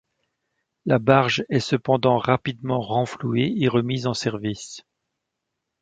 La barge est cependant rapidement renflouée et remise en service.